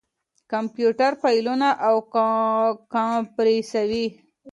کمپيوټر فايلونه اَنکمپريسوي.